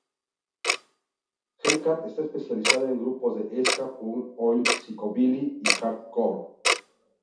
Hellcat está especializada en grupos de ska, punk, Oi!, psychobilly y hardcore.